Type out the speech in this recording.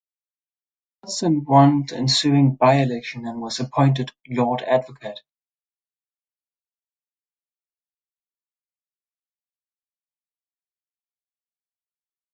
Watson won the ensuing by-election and was appointed Lord Advocate.